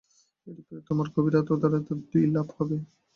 এইরূপে তোমার গভীরতা ও উদারতা দুই-ই লাভ হবে।